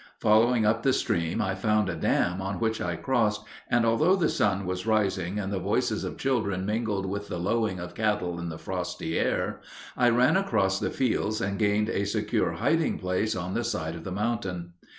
Following up the stream, I found a dam on which I crossed, and although the sun was rising and the voices of children mingled with the lowing of cattle in the frosty air, I ran across the fields and gained a secure hiding place on the side of the mountain.